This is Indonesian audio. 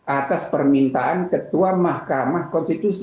atas permintaan ketua mahkamah konstitusi